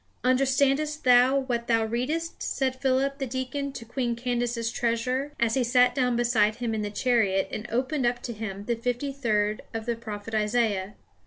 Understandest thou what thou readest? said Philip the deacon to Queen Candace's treasurer as he sat down beside him in the chariot and opened up to him the fifty third of the prophet Isaiah.